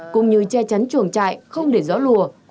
cũng như che chắn chuồng trại không để gió lùa